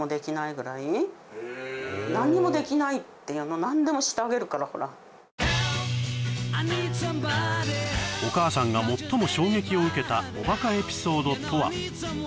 だからホントっていうの何でもしてあげるからほらお母さんが最も衝撃を受けたおバカエピソードとは？